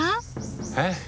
えっ？